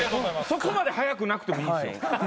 そこまで早くなくてもいいんですよ。